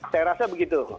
saya rasa begitu